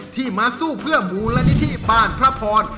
ที่มาสู้เพื่อมูลนิธิบ้านพระพร